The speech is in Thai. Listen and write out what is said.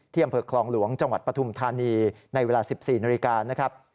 อำเภอคลองหลวงจังหวัดปฐุมธานีในเวลา๑๔นาฬิกานะครับ